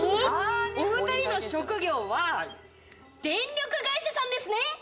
お２人の職業は、電力会社さんですね？